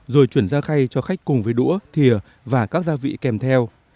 rồi chuyển ra khay cho khách cùng với đũa thịa và các gia vị kèm theo